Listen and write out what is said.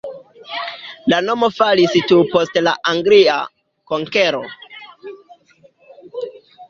La nomo falis tuj post la anglia konkero.